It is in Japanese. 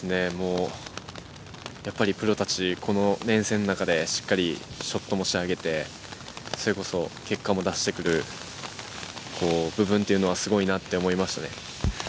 やっぱりプロたち、この連戦の中でしっかりショットも仕上げて、それこそ結果も出してくる部分というのはすごいなと思いましたね。